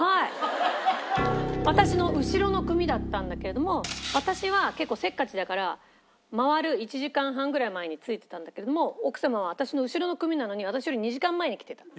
私の後ろの組だったんだけれども私は結構せっかちだから回る１時間半ぐらい前に着いてたんだけれども奥様は私の後ろの組なのに私より２時間前に来てたの。